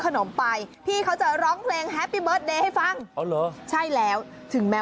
ขนมไปพี่เขาจะร้องเพลงแฮปปี้เบิร์ตเดย์ให้ฟังอ๋อเหรอใช่แล้วถึงแม้